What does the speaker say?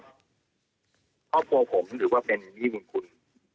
ข้อปลอดค์ผมถือว่าเป็นนินที่ยุ่งคุณ